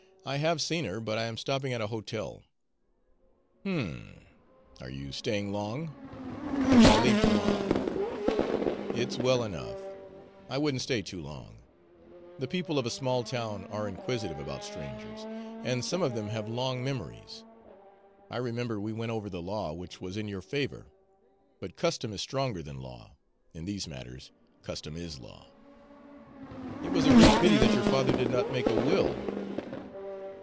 I have seen her, but I am stopping at a hotel." "H'm! Are you staying long?" "I leave to morrow." "It's well enough. I wouldn't stay too long. The people of a small town are inquisitive about strangers, and some of them have long memories. I remember we went over the law, which was in your favor; but custom is stronger than law in these matters custom IS law. It was a great pity that your father did not make a will.